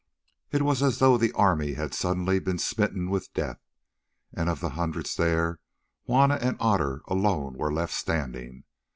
It was as though the army had suddenly been smitten with death, and of the hundreds there, Juanna and Otter alone were left standing.